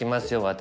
私。